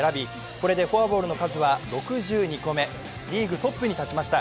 これでフォアボールの数は６２個目リーグトップに立ちました。